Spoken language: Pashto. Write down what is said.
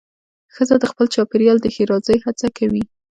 ښځه د خپل چاپېریال د ښېرازۍ هڅه کوي.